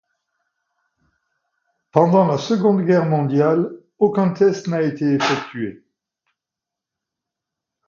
Pendant la Seconde Guerre mondiale, aucun test n'a été effectué.